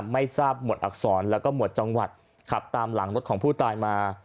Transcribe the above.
ไม่ทราบหมวดอักษรแล้วก็หมวดจังหวัดขับตามหลังรถของผู้ตายมา